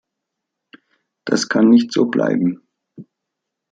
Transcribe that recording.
Das kann nicht so bleiben.